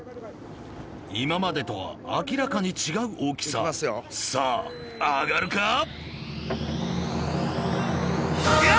今までとは明らかに違う大きささあ上がるか？